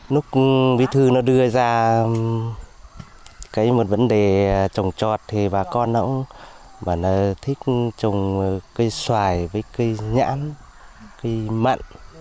lúc vĩ thư nó đưa ra cái một vấn đề trồng trọt thì bà con nó cũng thích trồng cây xoài với cây nhãn cây mặn